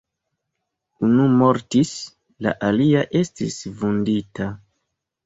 Unu mortis, la alia estis vundita.